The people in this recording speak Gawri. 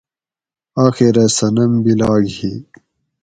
آخرہ صنم بیلاگ ھی